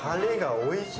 おいしい。